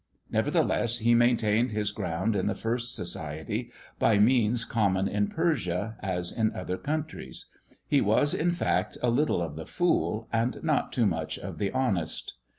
Nevertheless, he maintained his ground in the first society, by means common in Persia, as in other countries: he was, in fact, a little of the fool, and not too much of the honest.